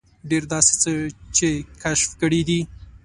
ډېر داسې څه یې کشف کړي دي.